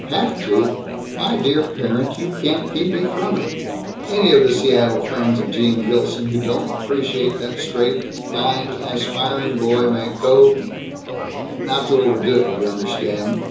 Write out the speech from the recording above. "Have to? My dear parent, you can't keep me from it! Any of the Seattle friends of Gene Gilson who don't appreciate that straight, fine, aspiring boy may go Not overdo it, you understand.